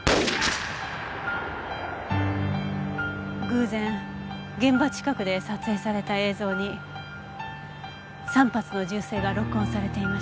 偶然現場近くで撮影された映像に３発の銃声が録音されていました。